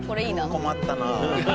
「困ったな」